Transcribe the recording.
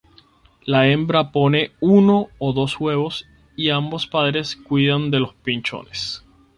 La hembra pone uno o dos huevos y ambos padres cuidan de los pichones.